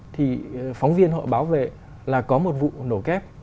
thì phóng viên họ báo về là có một vụ nổ kép